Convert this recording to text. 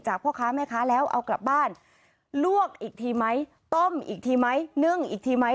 พ่อค้าแม่ค้าแล้วเอากลับบ้านลวกอีกทีไหมต้มอีกทีไหมนึ่งอีกทีไหม